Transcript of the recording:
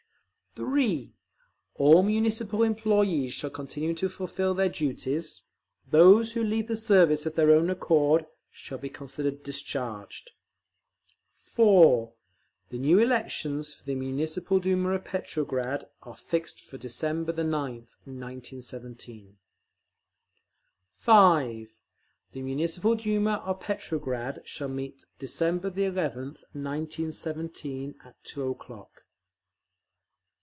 (3) All Municipal employees shall continue to fulfil their duties; those who leave the service of their own accord shall be considered discharged. (4) The new elections for the Municipal Duma of Petrograd are fixed for December 9th, 1917…. (5) The Municipal Duma of Petrograd shall meet December 11th, 1917, at two o'clock.